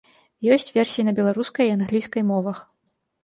Ёсць версіі на беларускай і англійскай мовах.